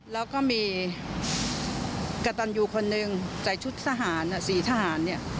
เราก็มีกระตันยูคนนึงใส่ชุดสีทหาร